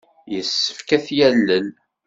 Yessefk ad t-yalel.